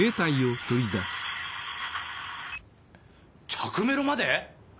着メロまで！？